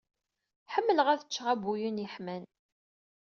Ḥemmleɣ ad cceɣ abuyun yeḥman.